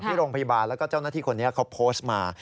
ที่โรงพยาบาลแล้วก็เจ้าหน้าที่คนนี้เขาโพสต์มา